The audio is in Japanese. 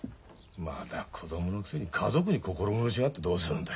まだ子供のくせに家族に心苦しがってどうするんだ。